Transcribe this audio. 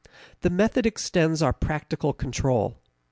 The method extends our practical control.